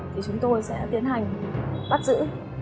thì chúng tôi sẽ tiến hành bắt giữ